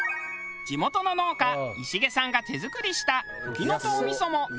地元の農家石毛さんが手作りしたふきのとう味噌も